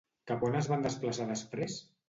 Cap on es van desplaçar després?